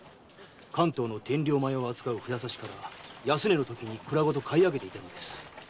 関東の天領米を預かる札差から安値のときに蔵ごと買い上げていたのです。